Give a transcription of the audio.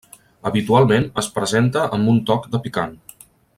Habitualment es presenta amb un toc de picant.